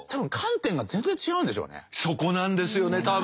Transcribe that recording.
そこなんですよね多分。